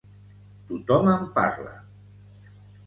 Tothom en parla!